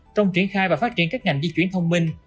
trong triển khai và phát triển các ngành di chuyển thông minh